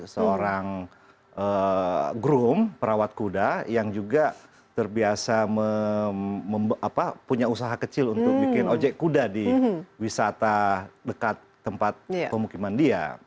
seorang groom perawat kuda yang juga terbiasa mempunyai usaha kecil untuk bikin ojek kuda di wisata dekat tempat pemukiman dia